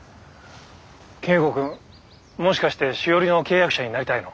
京吾君もしかしてしおりの契約者になりたいの？